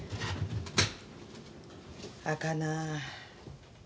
あかなあ。